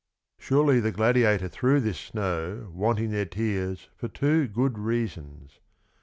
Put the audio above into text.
36 Surely the gladiator threw this snow wanting their tears for two good reasons